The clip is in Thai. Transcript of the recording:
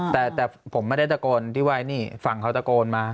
แต่ผมไม่ได้ตะโกนที่ว่านี่ฝั่งเขาตะโกนมา